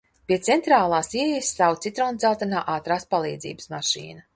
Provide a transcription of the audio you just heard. Pie centrālās ieejas stāv citrondzeltenā ātrās palīdzības mašīna.